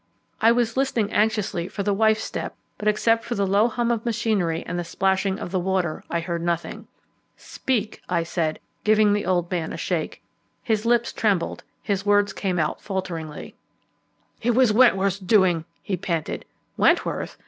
I was listening anxiously for the wife's step, but except for the low hum of machinery and the splashing of the water I heard nothing. "Speak," I said, giving the old man a shake. His lips trembled, his words came out falteringly. "It was Wentworth's doing," he panted. "Wentworth?